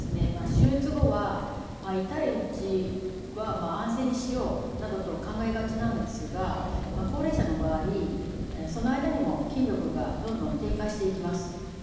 手術後は痛いうちは安静にしようなどと考えがちなんですが高齢者の場合その間にも筋力がどんどん低下していきます。